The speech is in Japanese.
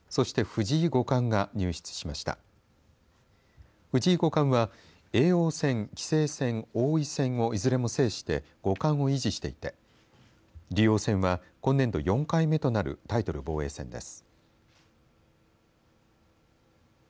藤井五冠は、叡王戦棋聖戦、王位戦をいずれも制して五冠を維持していて竜王戦は今年度４回目となるタイトル防衛戦です。